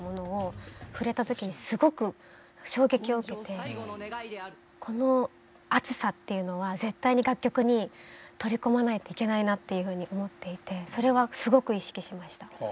今回はこの熱さっていうのは絶対に楽曲に取り込まないといけないなっていうふうに思っていてそれはすごく意識しました。